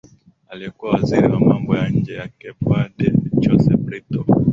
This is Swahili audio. aliyekuwa waziri wa mambo ya nje ya cape vade jose brito